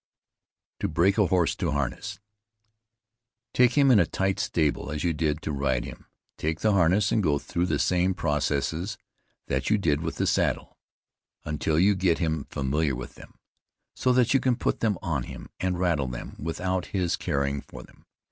TO BREAK A HORSE TO HARNESS. Take him in a tight stable, as you did to ride him; take the harness and go through the same process that you did with the saddle, until you get him familiar with them, so that you can put them on him and rattle them about without his caring for them.